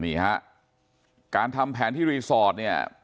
นี่ฮะการทำแผนที่รีสอร์ทเนี่ย